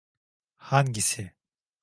Hangisi?